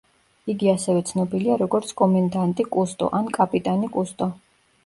იგი ასევე ცნობილია როგორც „კომენდანტი კუსტო“ ან „კაპიტანი კუსტო“.